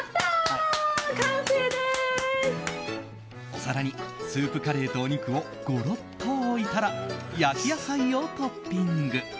お皿にスープカレーとお肉をゴロッと置いたら焼き野菜をトッピング。